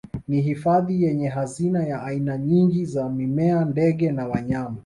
Ni hifadhi yenye hazina ya aina nyingi za mimea ndege na wanyama